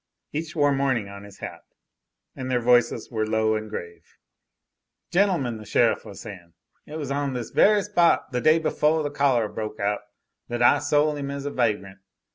Each wore mourning on his hat, and their voices were low and grave. "Gentlemen," the sheriff was saying, "it was on this very spot the day befoah the cholera broke out that I sole 'im as a vagrant.